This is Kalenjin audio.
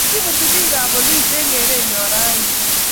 kimuti biik kab polis eng' eng' kore nyo rauni.